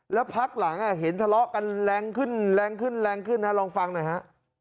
แล้วพักหลังเห็นทะเลาะกันแรงขึ้นลองฟังหน่อยฮะ